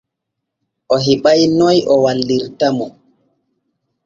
O heɓa'i noy o wallirta mo.